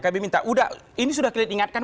kami minta udah ini sudah kilit ingat kan